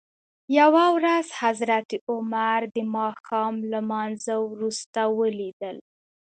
یوه ورځ حضرت عمر دماښام لمانځه وروسته ولید ل.